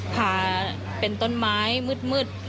พาเป็นต้นไม้มืด